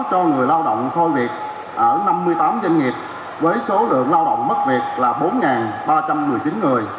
cho người lao động khôi việc ở năm mươi tám doanh nghiệp với số lượng lao động mất việc là bốn ba trăm một mươi chín người